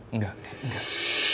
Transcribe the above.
enggak dek enggak